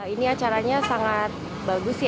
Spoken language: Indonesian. ini acaranya sangat bagus